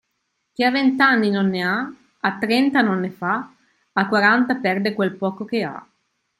Chi a vent'anni non ne ha, a trenta non ne fa, a quaranta perde quel poco che ha.